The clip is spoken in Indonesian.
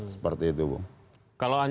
seperti itu bu